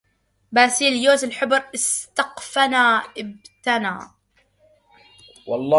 باسيليوس الحبر أسقفنا ابتنى